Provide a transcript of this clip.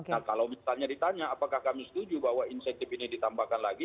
nah kalau misalnya ditanya apakah kami setuju bahwa insentif ini ditambahkan lagi